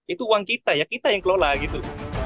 itu uang kita ya kita yang kelola gitu